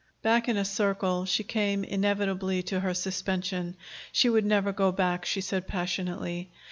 Back in a circle she came inevitably to her suspension. She would never go back, she said passionately.